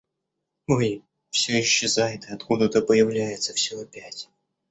Ой! всё исчезает и откуда-то появляется всё опять.